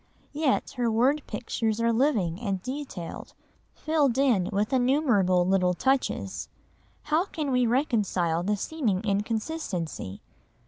Yet her word pictures are living and detailed, filled in with innumerable little touches. How can we reconcile the seeming inconsistency?